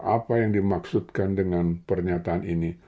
apa yang dimaksudkan dengan pernyataan ini